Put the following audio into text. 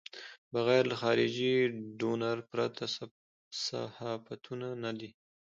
بغیر له خارجي ډونر پرته صحافتونه نه دي.